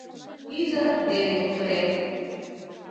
Ӱдыр дене кутырен